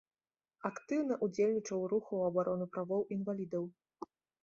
Актыўна ўдзельнічаў у руху ў абарону правоў інвалідаў.